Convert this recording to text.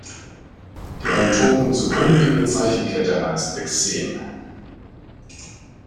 Die einem Token zu Grunde liegende Zeichenkette heißt Lexem.